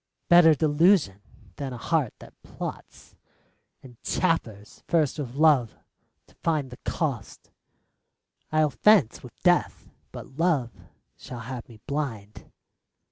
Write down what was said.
Better delusion than a heart that plots, And chaffers first with Love to find the cost: I'll fence with Death, but Love shall have me blind.